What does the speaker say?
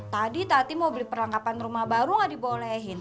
tadi taty mau beli perlengkapan rumah baru gak dibolehin